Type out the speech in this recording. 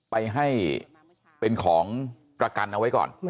ไปให้เป็นของประกันเอาไว้ก่อน